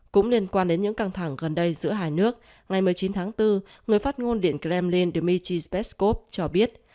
cũng liên quan đến những căng thẳng gần đây giữa hai nước ngày một mươi chín tháng bốn người phát ngôn điện kremlin dmitry peskov cho biết